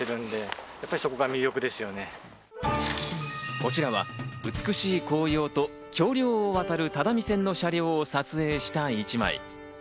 こちらは美しい紅葉と橋梁を渡る只見線の車両を撮影した一枚。